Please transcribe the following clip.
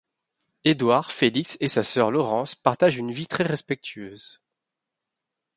Edouard, Félix et sa sœur Laurence partagent une vie très respectueuse.